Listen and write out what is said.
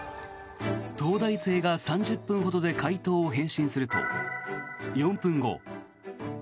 東大生が３０分ほどで解答を返信すると４分後。